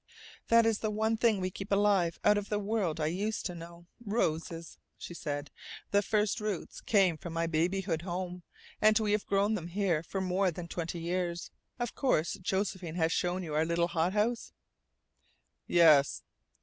"That is the one thing we keep alive out of the world I used to know roses," she said. "The first roots came from my babyhood home, and we have grown them here for more than twenty years. Of course Josephine has shown you our little hot house?" "Yes."